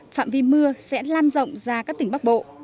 phạm vi mưa sẽ lan rộng ra các tỉnh bắc bộ